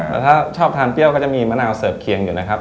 แล้วถ้าชอบทานเปรี้ยวก็จะมีมะนาวเสิร์ฟเคียงอยู่นะครับ